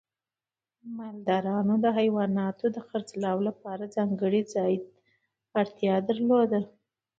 مالدار د حیواناتو د خرڅلاو لپاره ځانګړي ځای ته اړتیا درلوده.